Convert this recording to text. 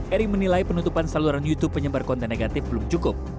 eri menilai penutupan saluran youtube penyebar konten negatif belum cukup